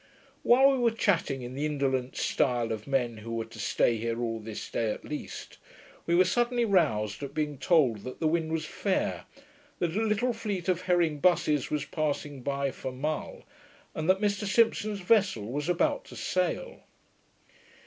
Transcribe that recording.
While we were chatting in the indolent stile of men who were to stay here all this day at least, we were suddenly roused at being told that the wind was fair, that a little fleet of herring busses was passing by for Mull, and that Mr Simpson's vessel was about to sail.